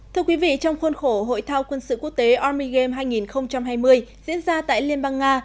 thưa quý vị trong khuôn khổ hội thao quân sự quốc tế army game hai nghìn hai mươi diễn ra tại liên bang nga